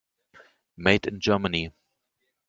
Made in Germany.